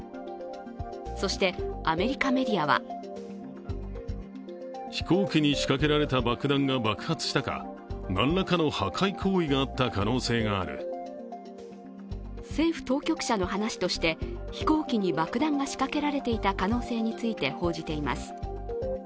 そしてアメリカメディアは政府当局者の話として飛行機に爆弾が仕掛けられていた可能性について報じています。